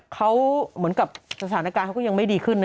เขาเหมือนกับสถานการณ์เขาก็ยังไม่ดีขึ้นนะ